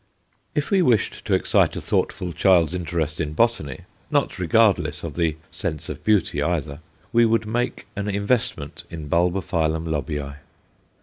If we wished to excite a thoughtful child's interest in botany not regardless of the sense of beauty either we should make an investment in Bulbophyllum Lobbii.